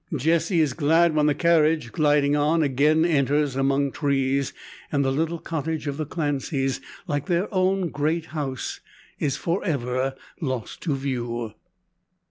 Jessie is glad when the carriage, gliding on, again enters among trees, and the little cottage of the Clancys, like their own great house, is forever lost to view.